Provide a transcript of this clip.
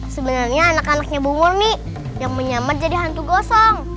sebenarnya anak anaknya bungul nih yang menyamar jadi hantu gosong